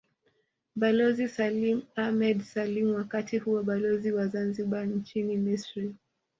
Balozi Salim Ahmed Salim wakati huo Balozi wa Zanzibar nchini Misri